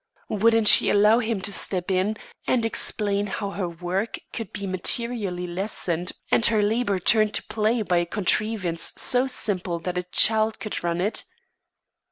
Wouldn't she allow him to step in and explain how her work could be materially lessened and her labour turned to play by a contrivance so simple that a child could run it?